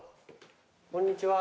こんにちは。